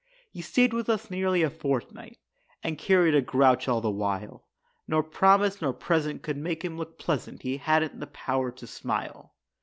He stayed with us nearly a fortnight And carried a grouch all the while, Nor promise nor present could make him look pleasant; He hadn't the power to smile.